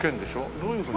どういうふうに？